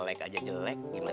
ya siapa yang bengong di sumur